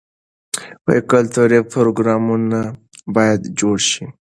کلتوري پروګرامونه باید جوړ شي.